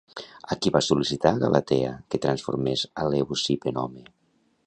A qui va sol·licitar Galatea que transformés a Leucip en home?